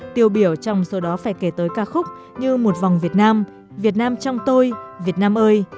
tiêu biểu trong số đó phải kể tới ca khúc như một vòng việt nam việt nam trong tôi việt nam ơi